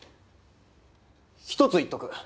一つ言っとく。